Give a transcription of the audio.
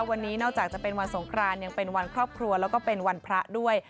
วันนี้นอกจากจะเป็นวันสงครานยังเป็นวันครอบครัวแล้วก็เป็นวันพระด้วย